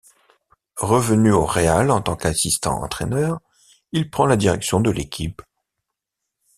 Revenu au Real en tant qu'assistant entraîneur, il prend la direction de l'équipe.